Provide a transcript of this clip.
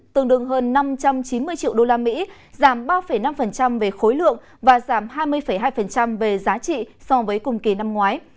tương đương hơn năm trăm chín mươi triệu usd giảm ba năm về khối lượng và giảm hai mươi hai về giá trị so với cùng kỳ năm ngoái